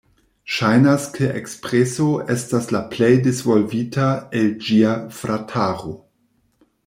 Ŝajnas ke Ekspreso estas la plej disvolvita el ĝia "frataro".